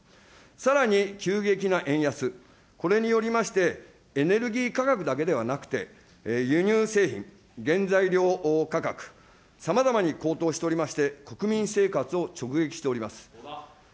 さらに急激な円安、これによりまして、エネルギー価格だけではなくて、輸入製品、原材料価格、さまざまに高騰しておりまして、国民生活を直撃しております。